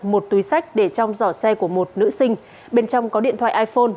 một túi sách để trong giỏ xe của một nữ sinh bên trong có điện thoại iphone